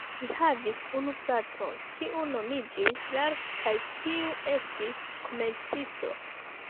Li havis unu fraton, kiu nomiĝis Ralph kaj kiu estis komercisto.